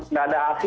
nggak ada hasil